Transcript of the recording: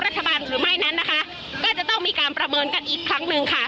หรือไม่นั้นนะคะก็จะต้องมีการประเมินกันอีกครั้งหนึ่งค่ะ